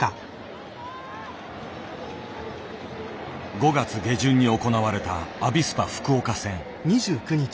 ５月下旬に行われたアビスパ福岡戦。